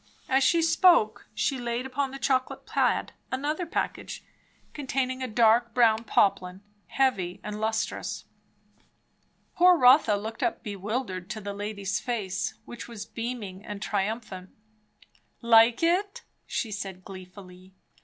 As she spoke, she laid upon the chocolate plaid another package, containing a dark brown poplin, heavy and lustrous. Poor Rotha looked up bewildered to the lady's face, which was beaming and triumphant. "Like it?" she said gleefully.